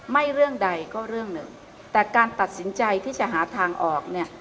เรื่องใดก็เรื่องหนึ่งแต่การตัดสินใจที่จะหาทางออกเนี่ย